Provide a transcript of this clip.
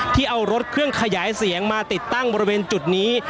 ที่เอารถเครื่องขยายเสียงมาติดตั้งบริเวณจุดนี้